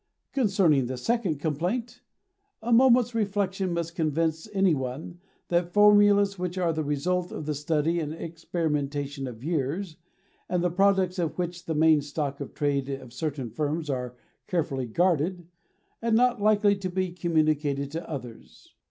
Concerning the second complaint, a moment's reflection must convince any one that formulas which are the result of the study and experimentation of years, and the products of which are the main stock of trade of certain firms, are carefully guarded, and not likely to be communicated to others.